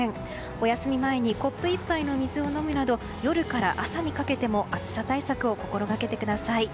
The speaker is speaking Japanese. おやすみ前にコップ１杯の水を飲むなど夜から朝にかけても暑さ対策を心掛けてください。